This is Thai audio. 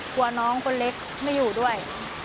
กลัวน้องคนเล็กไม่อยู่ด้วย